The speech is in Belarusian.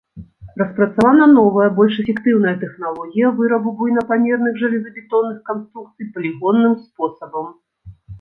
Распрацавана новая, больш эфектыўная тэхналогія вырабу буйнапамерных жалезабетонных канструкцый палігонным спосабам.